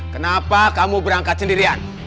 kenapa kamu berangkat sendirian